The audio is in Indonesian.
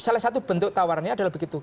salah satu bentuk tawarannya adalah begitu